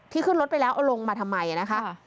ที่ขึ้นรถไปแล้วเอาลงมาทำไม